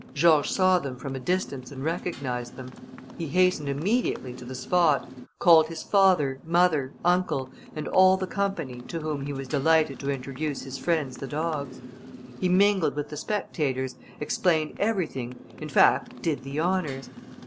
George saw them from a distance and recognised them; he hastened immediately to the spot, called his father, mother, uncle, and all the company, to whom he was delighted to introduce his friends the dogs. He mingled with the spectators, explained everything, in fact did the honours.